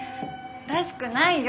らしくないよ